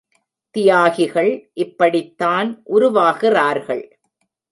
தியாகிகள் இப்படித்தான் உருவாகிறார்கள்.